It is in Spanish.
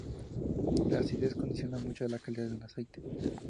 La acidez condiciona mucho la calidad de un aceite.